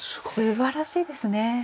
素晴らしいですね。